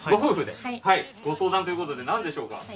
ご相談ということで何でしょうか？